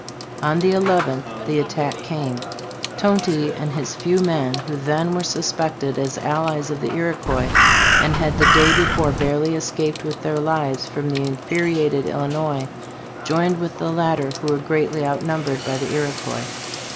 On the nth the attack came. Tonty and his few men, who then were suspected as allies of the Iroquois and had the day before barely escaped with their lives from the infuriated Illinois, joined with the latter, who were greatly outnumbered by the Iroquois.